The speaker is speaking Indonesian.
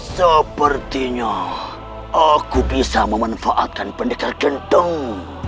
sepertinya aku bisa memanfaatkan pendekar gentong